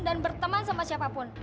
dan berteman sama siapapun